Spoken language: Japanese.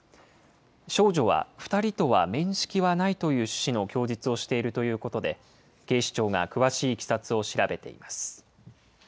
少女は、２人とは面識はないという趣旨の供述をしているということで、警視庁が詳しいいきさつを調べています。